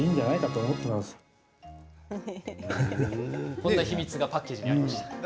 そんな秘密がパッケージにありました。